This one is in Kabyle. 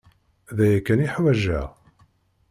D aya kan i ḥwajeɣ.